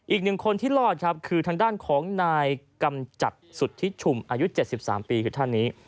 อีกหนึ่งคนที่รอดครับคือทางด้านของนายกำจัดสุทธิชุมอายุ๗๓ปีคือท่านนี้